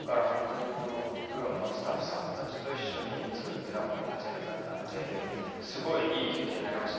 プロのスタッフさんたちと一緒に作るというのは今回、初めてだったのですごくいい経験になりました。